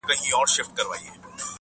فرق یې یوازي دونه دی